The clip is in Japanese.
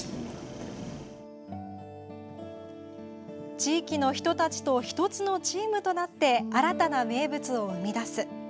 地域の人たちと１つのチームとなって新たな名物を生み出す。